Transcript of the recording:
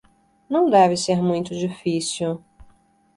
Não deve ser muito difícil